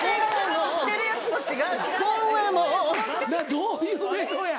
どういうメロや？